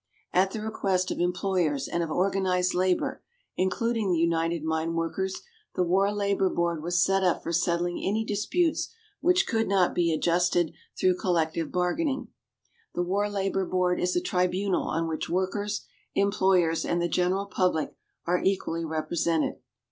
At the request of employers and of organized labor including the United Mine Workers the War Labor Board was set up for settling any disputes which could not be adjusted through collective bargaining. The War Labor Board is a tribunal on which workers, employers and the general public are equally represented.